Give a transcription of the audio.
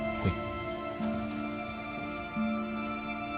はい。